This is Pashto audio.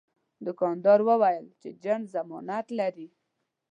دوکاندار وویل چې جنس ضمانت لري.